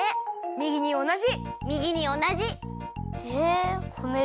みぎにおなじ。